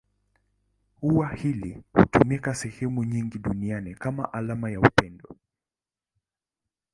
Ua hili hutumika sehemu nyingi duniani kama alama ya upendo.